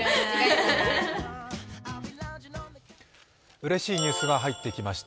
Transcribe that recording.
うれしいニュースが入ってきました。